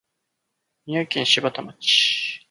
宮城県柴田町